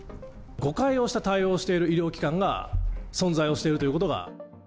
誤解をした対応をしている医療機関が存在をしているということが。